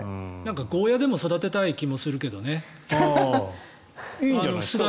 ゴーヤでも育てたい気がするけどね。